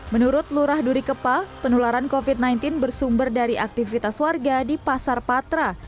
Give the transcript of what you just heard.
menurut lurah duri kepa penularan covid sembilan belas bersumber dari aktivitas warga di pasar patra